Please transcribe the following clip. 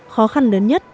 khó khăn lớn nhất